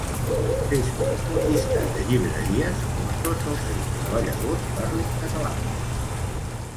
Fes-me un llistat de llibreries on tots els seus treballadors parlin català